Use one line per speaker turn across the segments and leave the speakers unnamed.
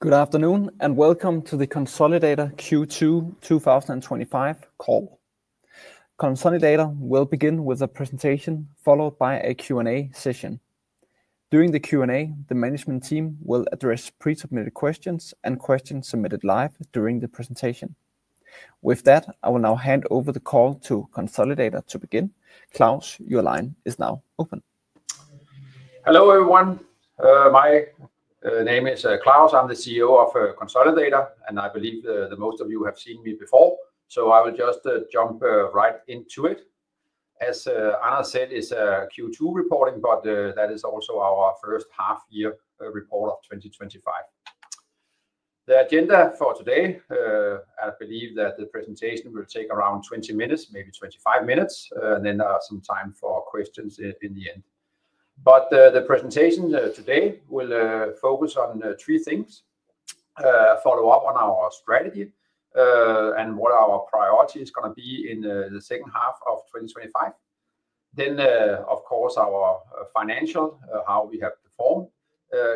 Good afternoon and welcome to the Konsolidator Q2 2025 Call. Konsolidator will begin with a presentation followed by a Q&A session. During the Q&A, the management team will address pre-submitted questions and questions submitted live during the presentation. With that, I will now hand over the call to Konsolidator to begin. Claus, your line is now open.
Hello everyone. My name is Claus. I'm the CEO of Konsolidator, and I believe that most of you have seen me before, so I will just jump right into it. As Anna said, it's a Q2 reporting, but that is also our first 1/2 year report of 2025. The agenda for today, I believe that the presentation will take around 20 minutes, maybe 25 minutes, and then some time for questions at the end. The presentation today will focus on three things: follow up on our strategy, and what our priority is going to be in the second half of 2025. Of course, our financial, how we have performed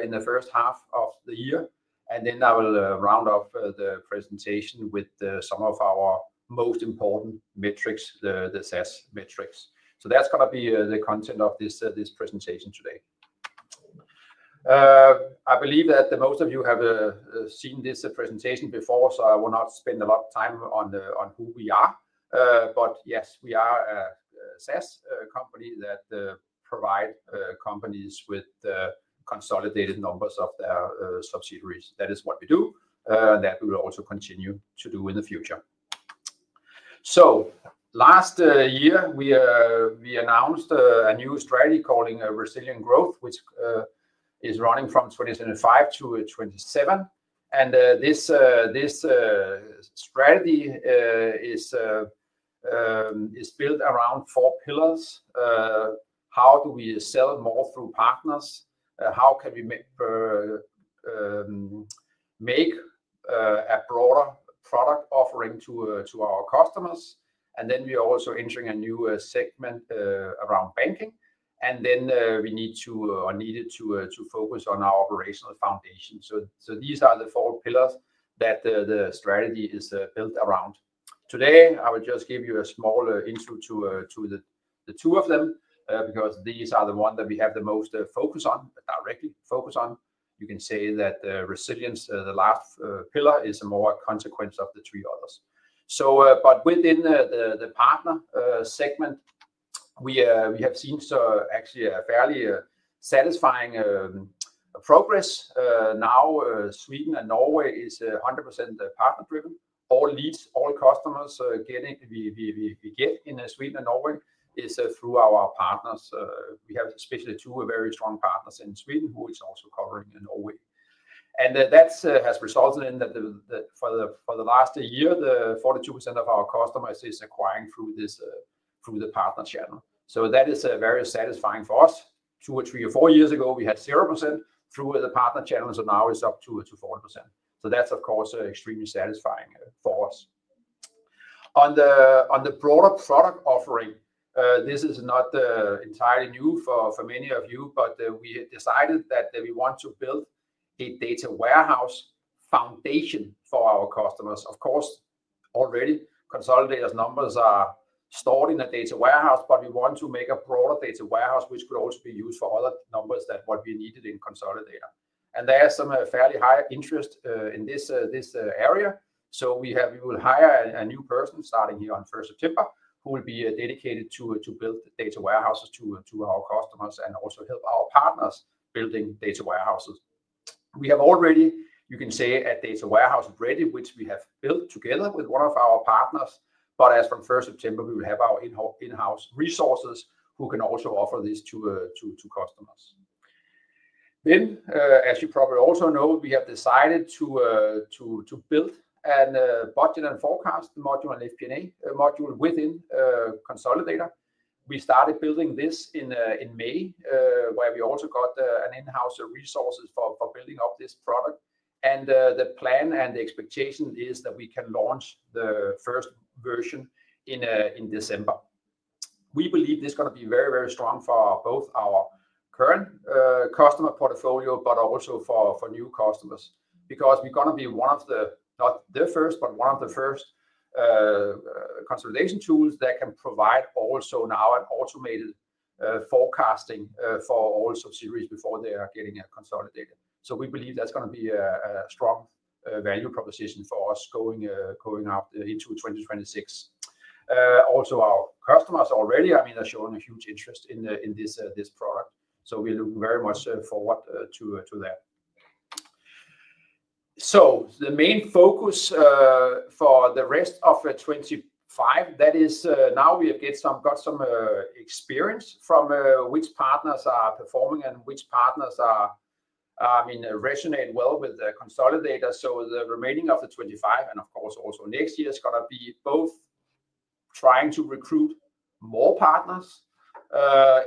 in the first half of the year, and then I will round up the presentation with some of our most important metrics, the SaaS metrics. That's going to be the content of this presentation today. I believe that most of you have seen this presentation before, so I will not spend a lot of time on who we are. Yes, we are a SaaS company that provides companies with consolidated numbers of their subsidiaries. That is what we do, and that we will also continue to do in the future. Last year, we announced a new strategy called Resilient Growth, which is running from 2025-2027. This strategy is built around four pillars. How do we sell more through partners? How can we make a broader product offering to our customers? We are also entering a new segment around banking. We need to focus on our operational foundation. These are the four pillars that the strategy is built around. Today, I will just give you a small intro to the two of them because these are the ones that we have the most focus on, directly focus on. You can say that the resilience, the last pillar, is a more consequence of the three others. Within the partner segment, we have seen actually a fairly satisfying progress. Now, Sweden and Norway are 100% partner-driven. All leads, all customers we get in Sweden and Norway are through our partners. We have especially two very strong partners in Sweden who are also covering in Norway. That has resulted in that for the last year, 42% of our customers are acquiring through the partner channel. That is very satisfying for us. Two or three or four years ago, we had 0% through the partner channel, so now it's up to 40%. That's, of course, extremely satisfying for us. On the broader product offering, this is not entirely new for many of you, but we decided that we want to build a data warehouse foundation for our customers. Of course, already Konsolidator's numbers are stored in a data warehouse, but we want to make a broader data warehouse which could also be used for other numbers than what we needed in Konsolidator. There is some fairly high interest in this area. We will hire a new person starting here on 1st September who will be dedicated to build data warehouses to our customers and also help our partners building data warehouses. We have already, you can say, a data warehouse already, which we have built together with one of our partners. As from 1st September, we will have our in-house resources who can also offer this to customers. As you probably also know, we have decided to build a budget and forecast module, an FP&A module within Konsolidator. We started building this in May, where we also got an in-house resource for building up this product. The plan and the expectation is that we can launch the first version in December. We believe this is going to be very, very strong for both our current customer portfolio, but also for new customers because we're going to be one of the, not the first, but one of the first consolidation tools that can provide also now an automated forecasting for all subsidiaries before they are getting consolidated. We believe that's going to be a strong value proposition for us going up into 2026. Our customers already are showing a huge interest in this product. We look very much forward to that. The main focus for the rest of 2025 is now we have got some experience from which partners are performing and which partners resonate well with Konsolidator. The remaining of 2025 and of course also next year is going to be both trying to recruit more partners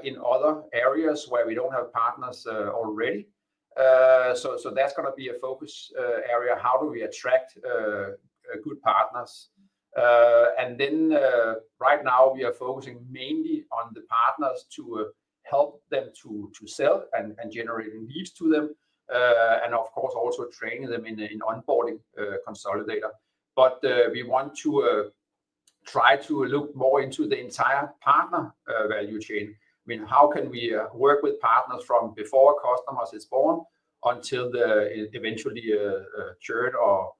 in other areas where we don't have partners already. That is going to be a focus area. How do we attract good partners? Right now we are focusing mainly on the partners to help them to sell and generate leads to them. Of course also training them in onboarding Konsolidator. We want to try to look more into the entire partner value chain. How can we work with partners from before a customer is born until they eventually churn or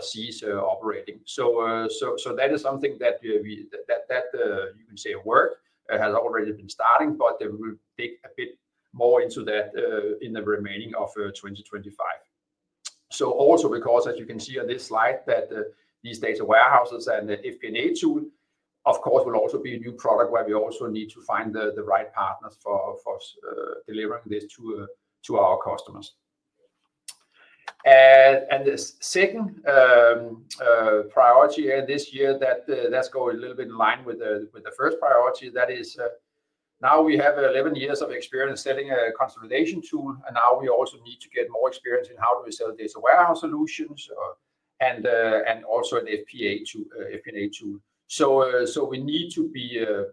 cease operating? That is something that you can say worked. It has already been starting, but we will dig a bit more into that in the remaining of 2025. Also, as you can see on this slide, these data warehouses and the FP&A module, of course, will also be a new product where we also need to find the right partners for delivering this to our customers. The second priority this year, that is going a little bit in line with the first priority, is that now we have 11 years of experience selling a consolidation tool, and now we also need to get more experience in how we sell data warehouse solutions and also the FP&A module. We need to be, you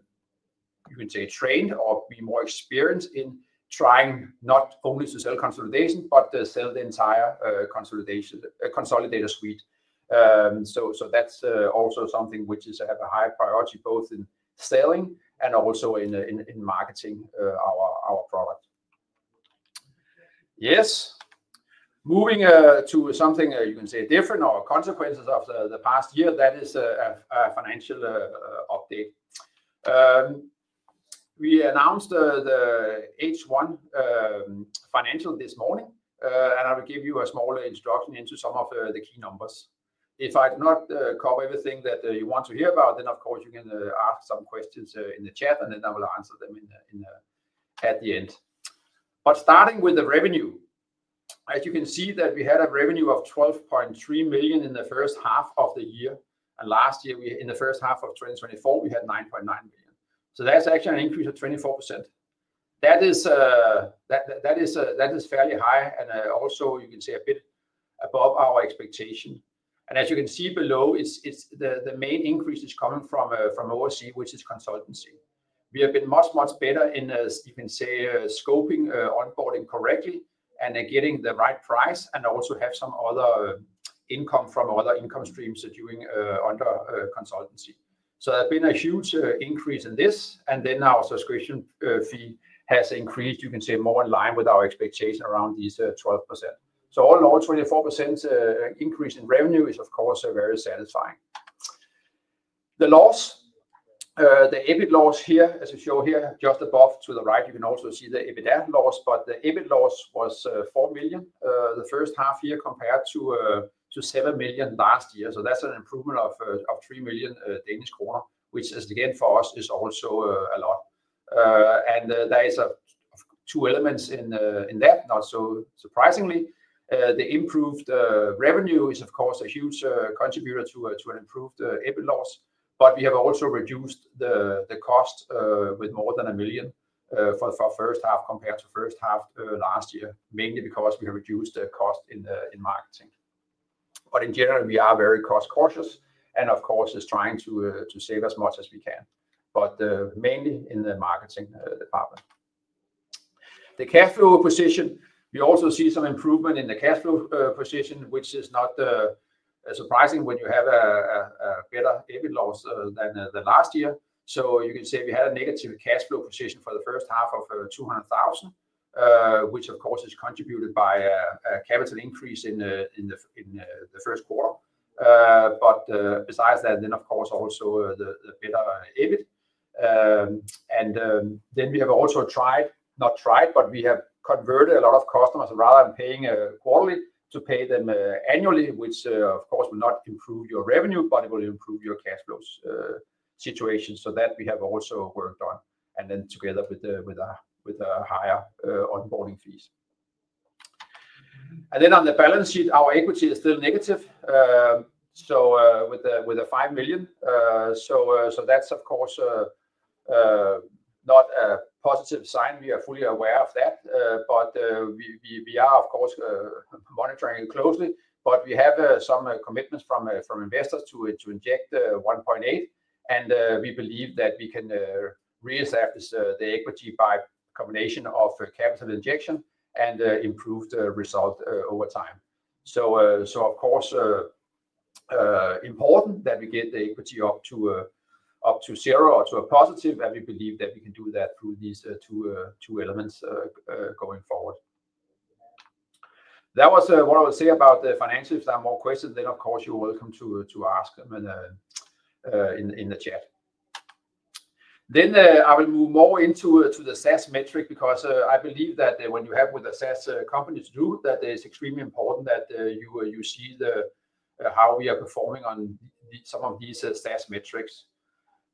could say, trained or be more experienced in trying not only to sell consolidation, but sell the entire Konsolidator suite. That is also something which is a high priority both in selling and also in marketing our product. Moving to something you can say different or consequences of the past year, that is a financial update. We announced the H1 financials this morning, and I will give you a small introduction into some of the key numbers. If I do not cover everything that you want to hear about, then of course you can ask some questions in the chat, and I will answer them at the end. Starting with the revenue, as you can see, we had a revenue of 12.3 million in the first half of the year, and last year in the first half of 2024, we had 9.9 million. That is actually an increase of 24%. That is fairly high, and also you can say a bit above our expectation. As you can see below, the main increase is coming from our seed, which is consultancy. We have been much, much better in, you can say, scoping onboarding correctly and getting the right price and also have some other income from other income streams during consultancy. There has been a huge increase in this, and then our subscription fee has increased, you can say, more in line with our expectation around these 12%. All in all, 24% increase in revenue is of course very satisfying. The loss, the EBIT loss here, as I show here just above to the right, you can also see the EBITDA loss, but the EBIT loss was 4 million the first half year compared to 7 million last year. That is an improvement of 3 million Danish kroner, which again for us is also a lot. There are two elements in that, not so surprisingly. The improved revenue is of course a huge contributor to an improved EBIT loss, but we have also reduced the cost with more than 1 million for the first half compared to the first half last year, mainly because we have reduced the cost in marketing. In general, we are very cost-cautious and of course trying to save as much as we can, mainly in the marketing part of it. The cash flow position, we also see some improvement in the cash flow position, which is not surprising when you have a better EBIT loss than last year. You can say we had a negative cash flow position for the first half of 200,000, which of course is contributed by a capital increase in the first quarter. Besides that, and then of course also the better EBIT. We have also converted a lot of customers rather than paying quarterly to pay them annually, which of course will not improve your revenue, but it will improve your cash flow situation. We have also worked on that, together with higher onboarding fees. On the balance sheet, our equity is still negative, with the 5 million. That is of course not a positive sign. We are fully aware of that, and we are of course monitoring it closely. We have some commitments from investors to inject 1.8 million, and we believe that we can reassess the equity by a combination of capital injection and improved result over time. It is important that we get the equity up to zero or to a positive, and we believe that we can do that through these two elements going forward. That was what I will say about the financials. If there are more questions, then of course you're welcome to ask them in the chat. I will move more into the SaaS metrics because I believe that when you have with the SaaS companies to do, it's extremely important that you see how we are performing on some of these SaaS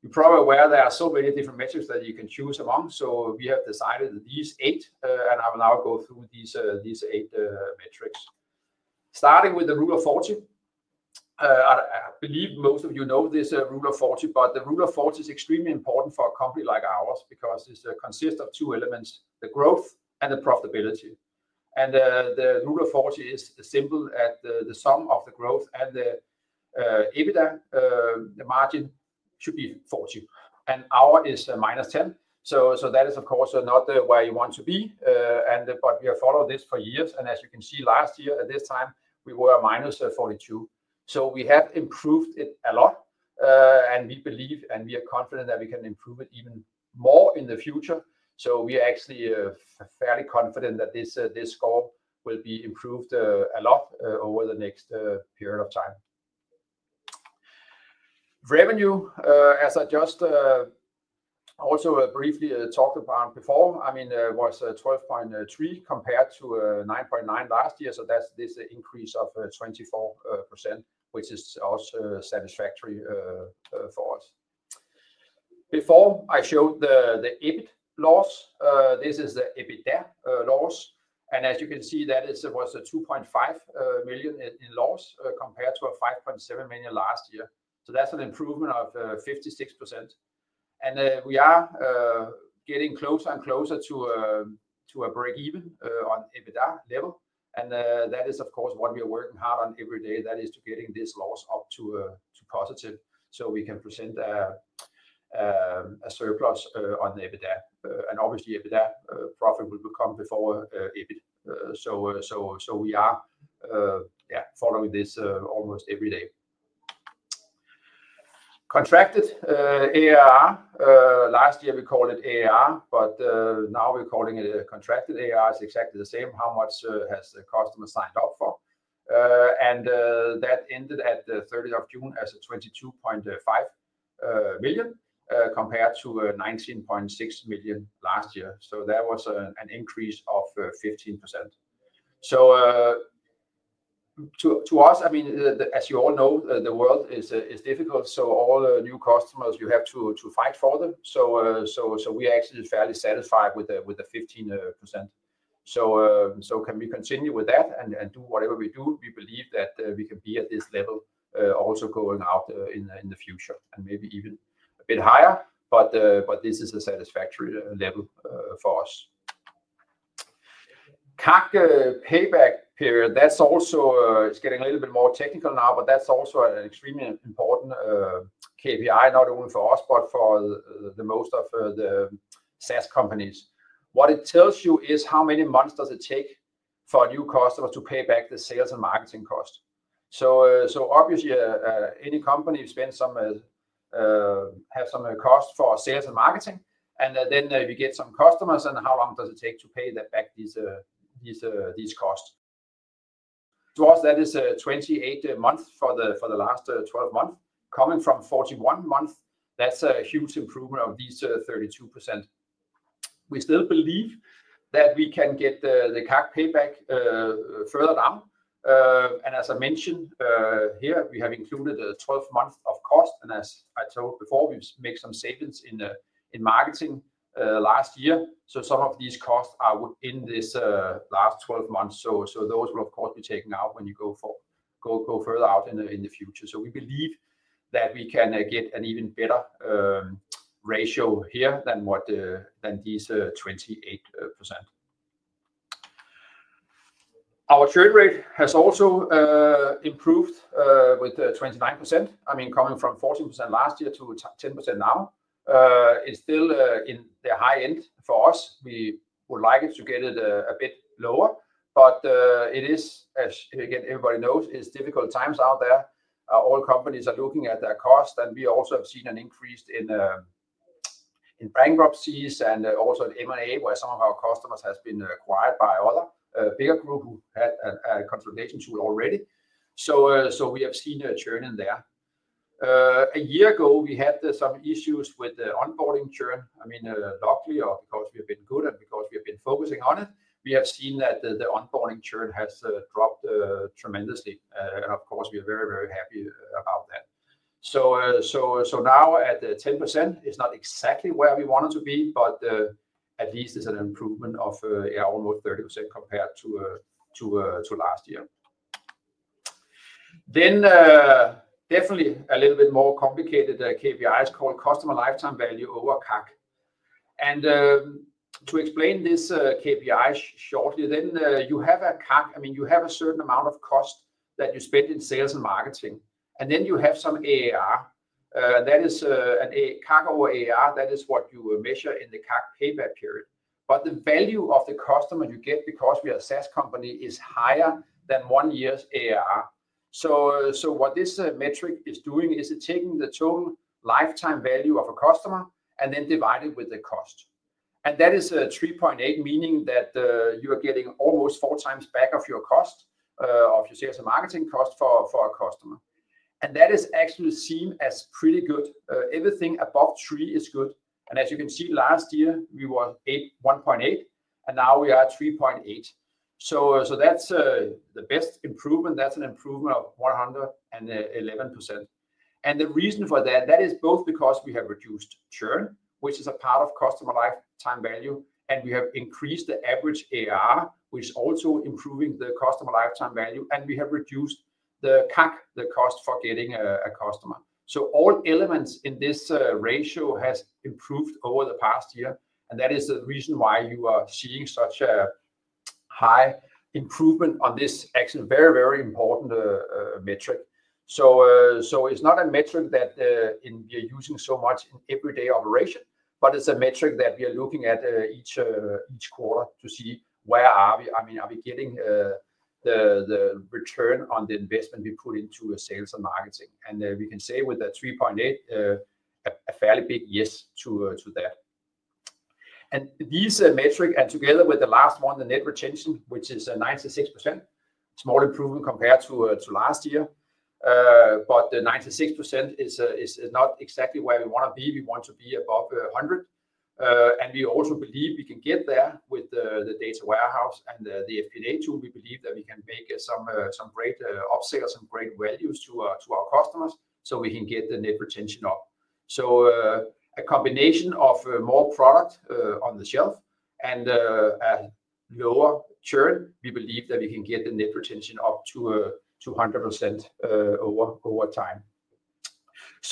metrics. You're probably aware there are so many different metrics that you can choose among. We have decided these eight, and I will now go through these eight metrics. Starting with The Rule of 40. I believe most of you know this Rule of 40, but The Rule of 40 is extremely important for a company like ours because it consists of two elements: the growth and the profitability. The Rule of 40 is simple: the sum of the growth and the EBITDA margin should be 40, and ours is -10. That is of course not where you want to be, but we have followed this for years. As you can see, last year at this time, we were -42. We had improved it a lot, and we believe and we are confident that we can improve it even more in the future. We are actually fairly confident that this score will be improved a lot over the next period of time. Revenue, as I just also briefly talked about before, was 12.3 million compared to 9.9 million last year. That's this increase of 24%, which is also satisfactory for us. Before I showed the EBIT loss, this is the EBITDA loss. As you can see, that was 2.5 million in loss compared to 5.7 million last year. That's an improvement of 56%. We are getting closer and closer to a break-even on EBITDA level. That is of course what we are working hard on every day, that is to getting this loss up to positive so we can present a surplus on EBITDA. Obviously, EBITDA profit will come before EBIT. We are following this almost every day. Contracted ARR last year, we called it ARR, but now we're calling it a contracted ARR. It's exactly the same. How much has the customer signed up for? That ended at the 30th of June as 22.5 million compared to 19.6 million last year. That was an increase of 15%. To us, as you all know, the world is difficult. All the new customers, you have to fight for them. We are actually fairly satisfied with the 15%. If we continue with that and do whatever we do, we believe that we can be at this level also going out in the future and maybe even a bit higher. This is a satisfactory level for us. CAC payback period, that's also getting a little bit more technical now, but that's also an extremely important KPI, not only for us, but for most of the SaaS companies. What it tells you is how many months does it take for new customers to pay back the sales and marketing cost. Obviously, any company spends some cost for sales and marketing, and then we get some customers and how long does it take to pay back these costs. To us, that is 28 months for the last 12 months, coming from 41 months. That's a huge improvement of these 32%. We still believe that we can get the CAC payback further down. As I mentioned here, we have included 12 months of cost. As I told before, we've made some savings in marketing last year. Some of these costs are in this last 12 months. Those will of course be taken out when you go further out in the future. We believe that we can get an even better ratio here than these 28%. Our churn rate has also improved with 29%, coming from 14% last year to 10% now. It's still in the high end for us. We would like to get it a bit lower. It is, as again, everybody knows, difficult times out there. All companies are looking at their cost. We also have seen an increase in bankruptcies and also M&A, where some of our customers have been acquired by other bigger groups who had a consolidation tool already. We have seen a churn in there. A year ago, we had some issues with the onboarding churn. Luckily, of course, we have been good, and because we have been focusing on it, we have seen that the onboarding churn has dropped tremendously. We are very, very happy about that. Now at 10%, it's not exactly where we wanted to be, but at least it's an improvement of almost 30% compared to last year. A little bit more complicated KPI is called customer lifetime value over CAC. To explain this KPI shortly, you have a CAC, you have a certain amount of cost that you spend in sales and marketing. Then you have some ARR. That is a CAC over ARR. That is what you measure in the CAC payback period. The value of the customer you get, because we are a SaaS company, is higher than one year's ARR. What this metric is doing is taking the total lifetime value of a customer and then dividing it with the cost. That is 3.8%, meaning that you are getting almost four times back of your cost of your sales and marketing cost for a customer. That is actually seen as pretty good. Everything above three is good. As you can see, last year we were 1.8%, and now we are 3.8%. That's the best improvement. That's an improvement of 111%. The reason for that is both because we have reduced churn, which is a part of customer lifetime value, and we have increased the average ARR, which is also improving the customer lifetime value. We have reduced the CAC, the cost for getting a customer. All elements in this ratio have improved over the past year. That is the reason why you are seeing such a high improvement on this actually very, very important metric. It is not a metric that we are using so much in everyday operation, but it's a metric that we are looking at each quarter to see where are we, are we getting the return on the investment we put into sales and marketing. We can say with the 3.8%, a fairly big yes to that. These metrics, and together with the last one, the net retention, which is 96%, small improvement compared to last year. The 96% is not exactly where we want to be. We want to be above 100%. We also believe we can get there with the data warehouse and the FP&A module. We believe that we can make some great offset or some great values to our customers so we can get the net retention up. A combination of more product on the shelf and a lower churn, we believe that we can get the net retention up to 200% over time.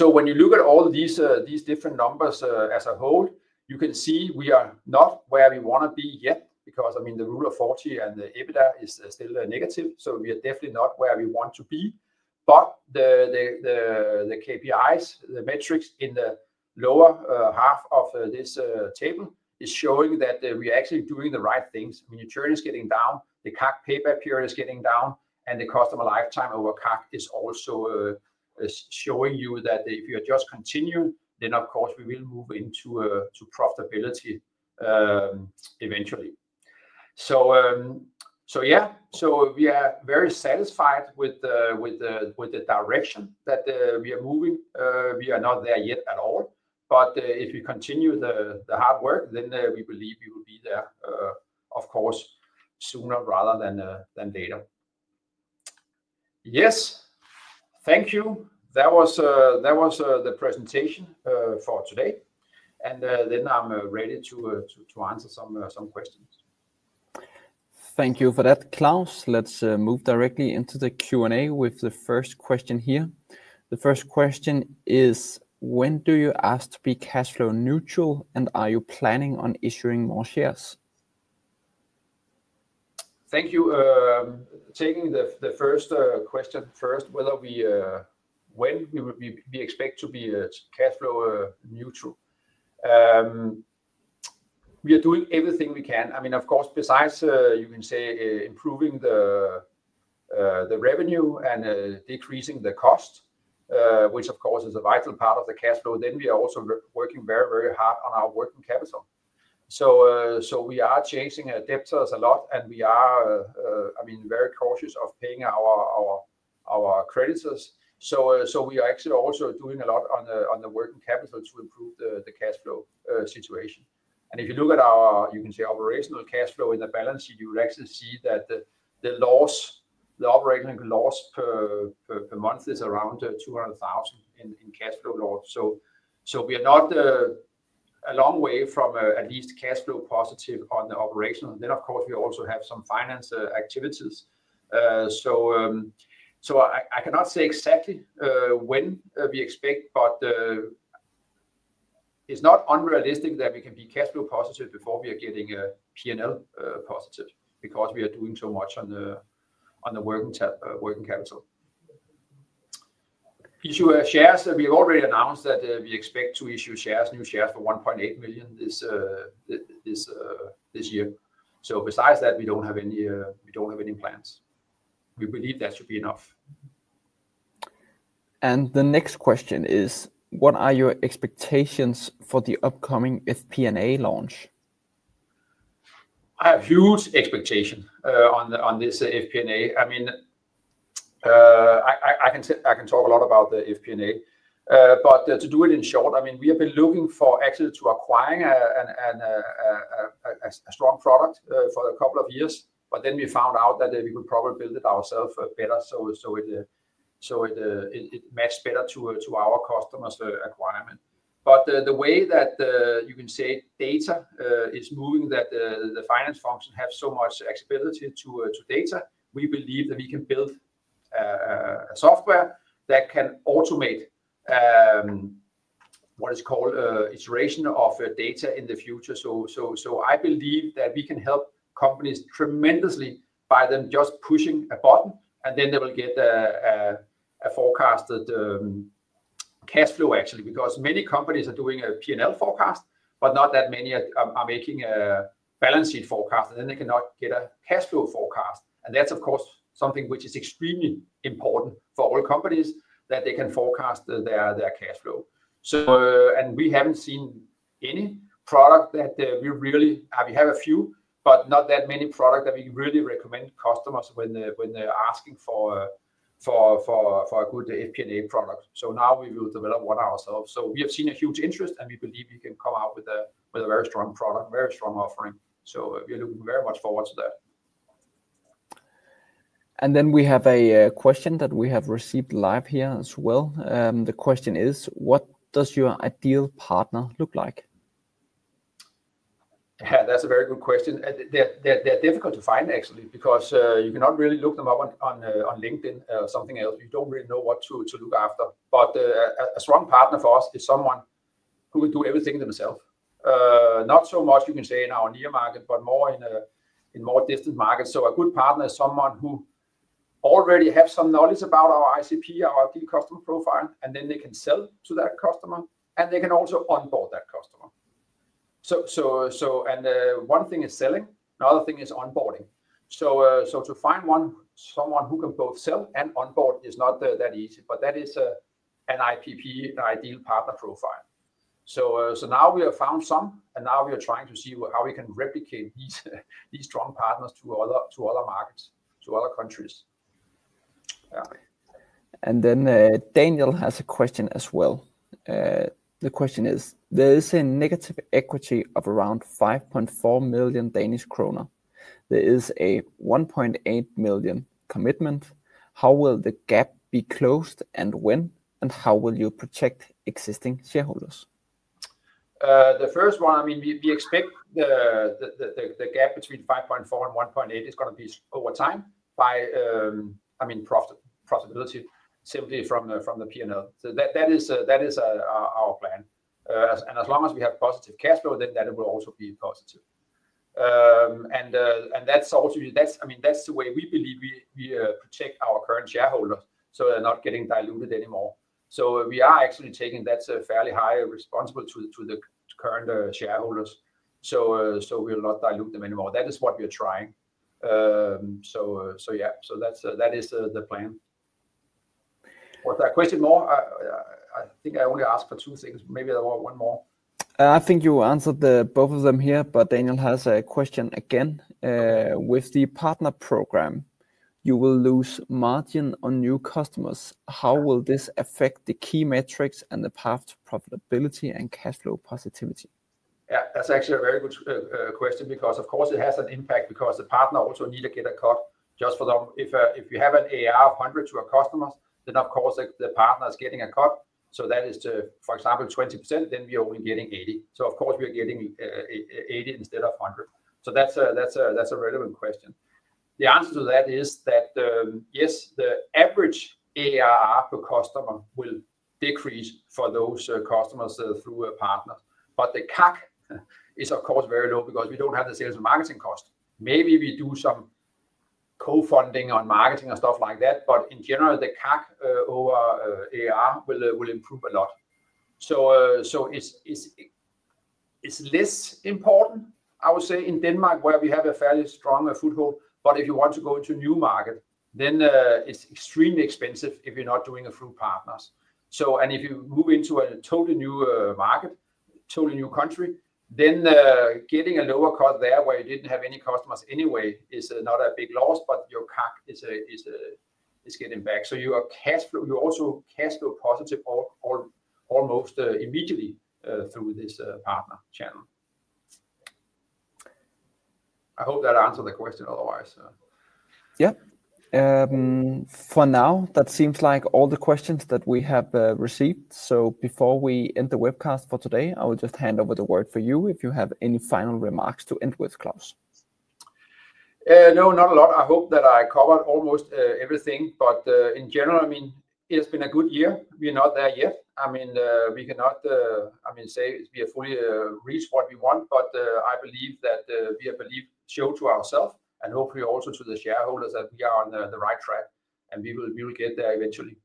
When you look at all of these different numbers as a whole, you can see we are not where we want to be yet because, I mean, The Rule of 40 and the EBITDA is still negative. We are definitely not where we want to be. The KPIs, the metrics in the lower half of this table, are showing that we are actually doing the right things. Your churn is getting down, the CAC payback period is getting down, and the customer lifetime value over CAC is also showing you that if you are just continuing, then of course we will move into profitability eventually. We are very satisfied with the direction that we are moving. We are not there yet at all. If we continue the hard work, we believe we will be there, of course, sooner rather than later. Yes. Thank you. That was the presentation for today. I'm ready to answer some questions.
Thank you for that, Claus. Let's move directly into the Q&A with the first question here. The first question is, when do you ask to be cash flow neutral, and are you planning on issuing more shares?
Thank you. Taking the first question first, whether we expect to be cash flow neutral, we are doing everything we can. I mean, of course, besides, you can say, improving the revenue and decreasing the cost, which, of course, is a vital part of the cash flow, we are also working very, very hard on our working capital. We are chasing debtors a lot, and we are, I mean, very cautious of paying our creditors. We are actually also doing a lot on the working capital to improve the cash flow situation. If you look at our, you can say, operational cash flow in the balance sheet, you would actually see that the loss, the operating loss per month is around 200,000 in cash flow loss. We are not a long way from at least cash flow positive on the operational. Of course, we also have some finance activities. I cannot say exactly when we expect, but it's not unrealistic that we can be cash flow positive before we are getting P&L positive because we are doing so much on the working capital. Issue shares, we have already announced that we expect to issue shares, new shares for 1.8 million this year. Besides that, we don't have any plans. We believe that should be enough.
What are your expectations for the upcoming FP&A launch?
I have huge expectations on this FP&A. I mean, I can talk a lot about the FP&A. To do it in short, we have been looking for actually to acquire a strong product for a couple of years. We found out that we could probably build it ourselves better so it matches better to our customers' requirements. The way that you can say data is moving, that the finance function has so much accessibility to data, we believe that we can build a software that can automate what is called iteration of data in the future. I believe that we can help companies tremendously by them just pushing a button, and then they will get a forecasted cash flow, actually, because many companies are doing a P&L forecast, but not that many are making a balance sheet forecast, and then they cannot get a cash flow forecast. That is, of course, something which is extremely important for all companies that they can forecast their cash flow. We haven't seen any product that we really, we have a few, but not that many products that we really recommend customers when asking for a good FP&A product. Now we will develop one ourselves. We have seen a huge interest, and we believe we can come out with a very strong product, very strong offering. We are looking very much forward to that.
We have a question that we have received live here as well. The question is, what does your ideal partner look like?
That's a very good question. They're difficult to find, actually, because you cannot really look them up on LinkedIn or something else. You don't really know what to look after. A strong partner for us is someone who can do everything themselves, not so much, you can say, in our near market, but more in more distant markets. A good partner is someone who already has some knowledge about our ICP, our customer profile, and then they can sell to that customer, and they can also onboard that customer. One thing is selling, another thing is onboarding. To find someone who can both sell and onboard is not that easy, but that is an IPP, an ideal partner profile. Now we have found some, and now we are trying to see how we can replicate these strong partners to other markets, to other countries.
Daniel has a question as well. The question is, there is a negative equity of around 5.4 million Danish kroner. There is a 1.8 million commitment. How will the gap be closed and when? How will you protect existing shareholders?
The first one, I mean, we expect the gap between 5.4 million and 1.8 million is going to be over time by, I mean, profitability simply from the P&L. That is our plan. As long as we have positive cash flow, then that will also be positive. That's also the way we believe we protect our current shareholders so they're not getting diluted anymore. We are actually taking that fairly high responsibility to the current shareholders. We will not dilute them anymore. That is what we are trying. That is the plan. Was there a question more? I think I only asked for two things. Maybe there were one more.
I think you answered both of them here, but Daniel has a question again. With the partner program, you will lose margin on new customers. How will this affect the key metrics and the path to profitability and cash flow positivity?
Yeah, that's actually a very good question because, of course, it has an impact because the partner also needs to get a cut just for them. If you have an ARR of 100% to a customer, then, of course, the partner is getting a cut. For example, if that is 20%, then we are only getting 80%. Of course, we are getting 80% instead of 100%. That's a relevant question. The answer to that is that, yes, the average ARR per customer will decrease for those customers through a partner. The CAC is, of course, very low because we don't have the sales and marketing cost. Maybe we do some co-funding on marketing and stuff like that. In general, the CAC over ARR will improve a lot. It's less important, I would say, in Denmark, where we have a fairly strong foothold. If you want to go into a new market, then it's extremely expensive if you're not doing it through partners. If you move into a totally new market, totally new country, then getting a lower cut there where you didn't have any customers anyway is not a big loss, but your CAC is getting back. You are also cash flow positive almost immediately through this partner channel. I hope that answered the question otherwise.
Yeah. For now, that seems like all the questions that we have received. Before we end the webcast for today, I will just hand over the word for you if you have any final remarks to end with, Claus.
No, not a lot. I hope that I covered almost everything. In general, it has been a good year. We are not there yet. We cannot say we have fully reached what we want, but I believe that we have showed to ourselves and hopefully also to the shareholders that we are on the right track, and we will get there eventually.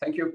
Thank you.